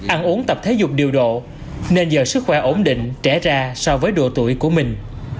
ăn uống tập thể dục điều độ nên giờ sức khỏe ổn định trẻ ra so với độ tuổi của mình